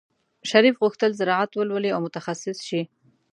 شریف غوښتل زراعت ولولي او متخصص شي.